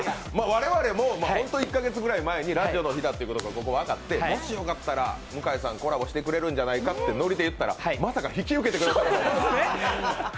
我々も１カ月ぐらい前にラジオの日だってことが分かってもし、よかったら向井さん、コラボしてくれるんじゃないかってノリで言ったら、まさか引き受けてくださるとは。